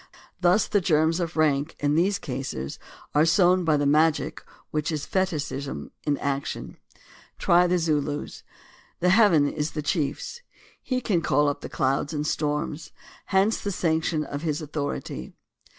Thus the germs of rank, in these cases, are sown by the magic which is fetichism in action. Try the Zulus: "The heaven is the chief's"; he can call up clouds and storms, hence the sanction of his authority.